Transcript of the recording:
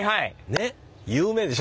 ねっ有名でしょ？